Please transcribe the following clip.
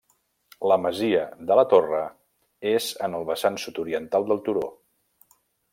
La masia de la Torre és en el vessant sud-oriental del turó.